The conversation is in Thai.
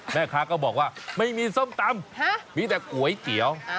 แม่ค้าก็บอกว่าไม่มีส้มตำมีแต่ก๋วยเตี๋ยว